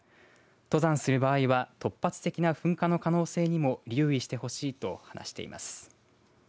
登山する場合は突発的な噴火の可能性にも留意してほしいと話しています。